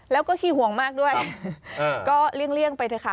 แล้วก็ขี้ห่วงมากด้วยก็เลี่ยงไปเถอะค่ะ